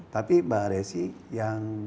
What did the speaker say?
tapi mbak aresi yang